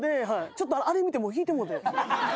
ちょっとあれ見てもう引いてもうて。